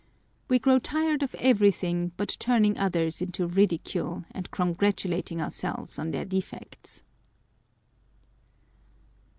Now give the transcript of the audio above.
We grow tired of every thing but turning others into ridicule, and congratulating ourselves on their defects.